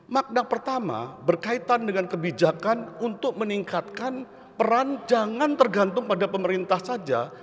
makna pertama berkaitan dengan kebijakan untuk meningkatkan peran jangan tergantung pada pemerintah saja